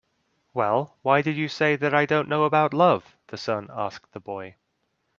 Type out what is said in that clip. "Well, why did you say that I don't know about love?" the sun asked the boy.